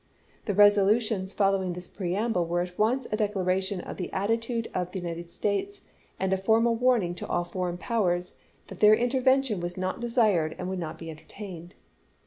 The resolutions following this preamble were at once a declaration of the attitude of the United States and a formal warning to all foreign powers that their intervention was not desired and would not be entertained.